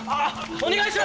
お願いします！